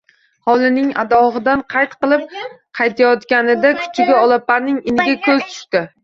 Hovlining adog`idan qayt qilib qaytayotganida kuchugi Olaparning iniga ko`zi tushdi